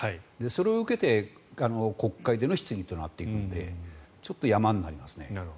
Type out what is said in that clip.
それを受けて国会での質疑となっていくのでちょっと山になりますね。